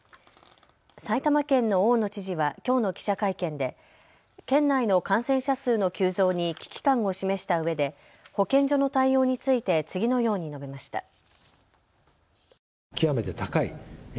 埼玉県の大野知事はきょうの記者会見で県内の感染者数の急増に危機感を示したうえで保健所の対応について次のように述べました。